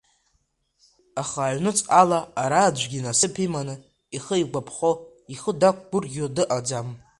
Аха ҩнуҵҟала ара аӡәгьы насыԥ иманы, ихы игәаԥхо, ихы дақәгәырӷьо дыҟаӡам.